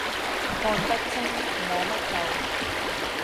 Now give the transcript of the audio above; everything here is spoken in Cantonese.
看不清、摸不透